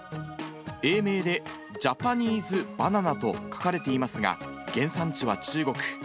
英名でジャパニーズバナナと書かれていますが、原産地は中国。